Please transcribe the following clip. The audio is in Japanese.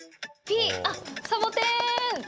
あっサボテン！